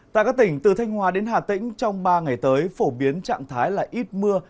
tại các tỉnh từ thanh hòa đến hà tĩnh trong ba ngày tới phổ biến trạng thái là ít mưa